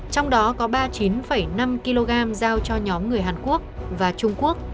trong đó có ba mươi chín năm kg giao cho nhóm người hàn quốc và trung quốc